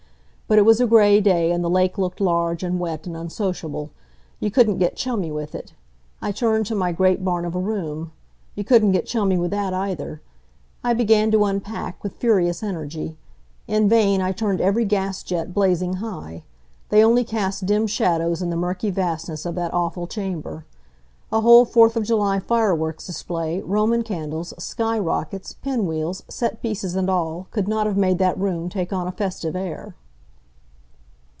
But it was a gray day, and the lake looked large, and wet and unsociable. You couldn't get chummy with it. I turned to my great barn of a room. You couldn't get chummy with that, either. I began to unpack, with furious energy. In vain I turned every gas jet blazing high. They only cast dim shadows in the murky vastness of that awful chamber. A whole Fourth of July fireworks display, Roman candles, sky rockets, pin wheels, set pieces and all, could not have made that room take on a festive air.